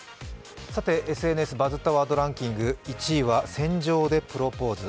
ＳＮＳ「バズったワードランキング」、１位は船上でプロポーズ。